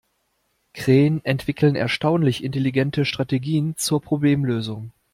Krähen entwickeln erstaunlich intelligente Strategien zur Problemlösung.